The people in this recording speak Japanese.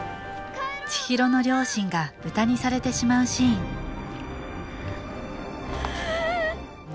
千尋の両親が豚にされてしまうシーンはぁ！